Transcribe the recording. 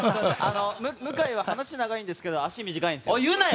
向井は話が長いんですけど足が短いんですよ。